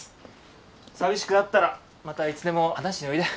寂しくなったらまたいつでも話しにおいで。